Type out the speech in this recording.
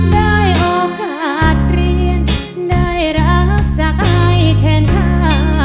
ได้โอกาสเรียนได้รักจากอายแทนท่า